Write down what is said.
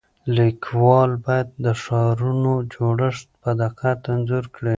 لیکوال باید د ښارونو جوړښت په دقت انځور کړي.